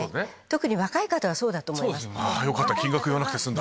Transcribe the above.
特に若い方はそうだと思います。